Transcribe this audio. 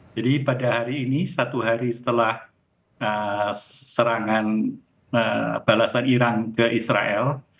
jadi pada hari ini satu hari setelah serangan balasan iran ke israel